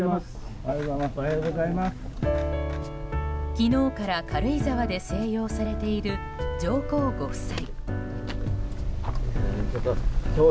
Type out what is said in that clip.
昨日から、軽井沢で静養されている上皇ご夫妻。